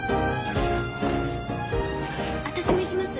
私も行きます。